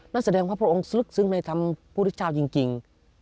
นั่นแสดงว่าพระองค์สลึกซึ้งในธรรมผู้ชาวจริง